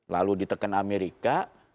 lalu ditekan amerika